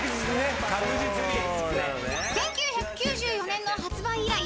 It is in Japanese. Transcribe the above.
［１９９４年の発売以来